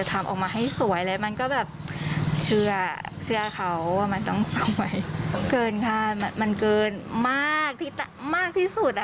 ทำออกมาให้สวยแล้วมันก็เชื่อเขาว่ามันต้องสวยเกินมากที่สุด